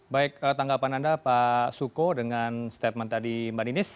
baik tanggapan anda pak suko dengan statement tadi mbak ninis